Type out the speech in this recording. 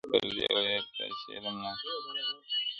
• پر پردي ولات اوسېږم له اغیار سره مي ژوند دی -